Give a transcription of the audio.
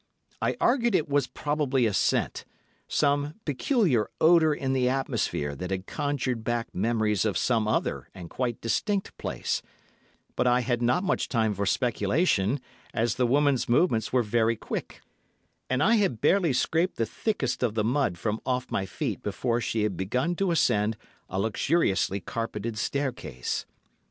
I argued it was probably a scent—some peculiar odour in the atmosphere that had conjured back memories of some other and quite distinct place; but I had not much time for speculation, as the woman's movements were very quick, and I had barely scraped the thickest of the mud from off my feet before she had begun to ascend a luxuriously carpetted staircase.